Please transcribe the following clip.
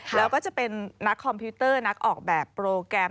แล้วก็จะเป็นนักคอมพิวเตอร์นักออกแบบโปรแกรม